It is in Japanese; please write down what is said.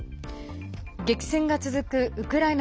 激戦が続くウクライナ